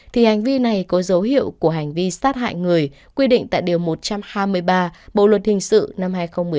thì hành vi này có dấu hiệu của hành vi sát hại người quy định tại điều một trăm hai mươi ba bộ luật hình sự năm hai nghìn một mươi năm